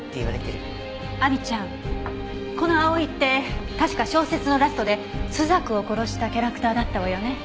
亜美ちゃんこの葵って確か小説のラストで朱雀を殺したキャラクターだったわよね？